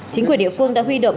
chính quyền địa phương đã huy động